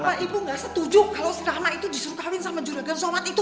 bapak ibu gak setuju kalau si rahma itu disuruh kawin sama juragan somat itu